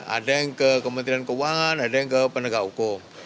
ada yang ke kementerian keuangan ada yang ke penegak hukum